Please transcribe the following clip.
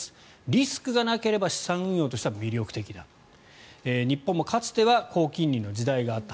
リスクがなければ資産運用としては魅力的だ日本もかつては高金利の時代があった。